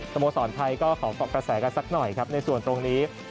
โมสรไทยก็ขอเกาะกระแสกันสักหน่อยครับในส่วนตรงนี้